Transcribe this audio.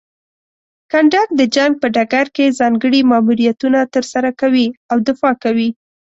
کنډک د جنګ په ډګر کې ځانګړي ماموریتونه ترسره کوي او دفاع کوي.